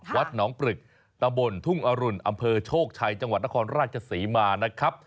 วัดหนองปรึกตำบลทุ่งอรุณอำเภอโชคชัยจังหวัดนครราชศรีมานะครับ